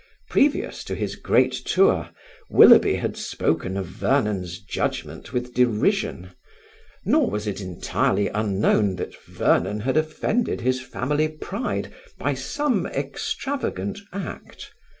Previous to his great tour, Willoughby had spoken of Vernon's judgement with derision; nor was it entirely unknown that Vernon had offended his family pride by some extravagant act.